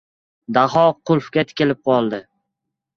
Daho qulfga tikilib qoldi.